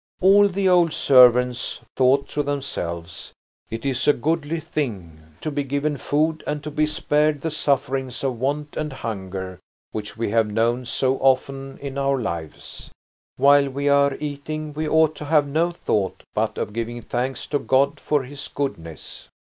All the old servants thought to themselves: "It is a goodly thing to be given food and to be spared the sufferings of want and hunger, which we have known so often in our lives. While we are eating we ought to have no thought but of giving thanks to God for His goodness."